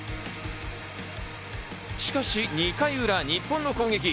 しかし２回裏、日本の攻撃。